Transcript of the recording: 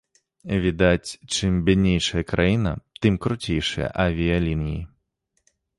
Відаць, чым бяднейшая краіна тым круцейшыя авіялініі.